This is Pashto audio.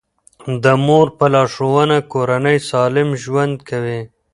د مور په لارښوونه کورنۍ سالم ژوند کوي.